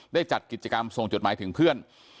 ได้จัดกิจกรรมส่งจดหมายถึงเพื่อน